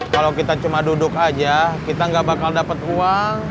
kalau kita cuma duduk aja kita nggak bakal dapat uang